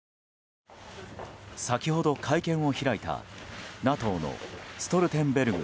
先ほど会見を開いたＮＡＴＯのストルテンベルグ